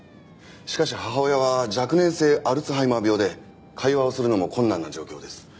しかし母親は若年性アルツハイマー病で会話をするのも困難な状況です。